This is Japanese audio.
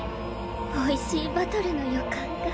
おいしいバトルの予感が。